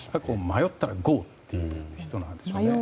迷ったらゴー！という人なんでしょうね。